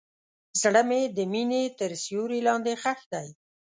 زړه مې د مینې تر سیوري لاندې ښخ دی.